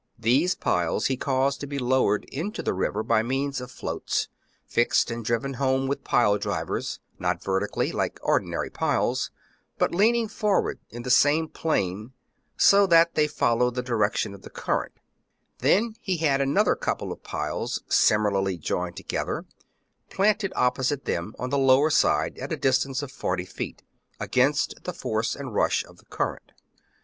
These piles he caused to be lowered into the river by means of floats,^ fixed, and driven home with pile drivers, not vertically, like ordinary piles, but leaning forward in the same plane, so that they followed the direc tion of the current ; then he had another couple of piles, similarly joined together, planted opposite them on the lower side, at a distance of forty feet, against the force and rush of the current.